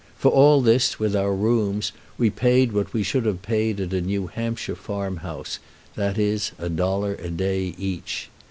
For all this, with our rooms, we paid what we should have paid at a New Hampshire farm house; that is, a dollar a day each.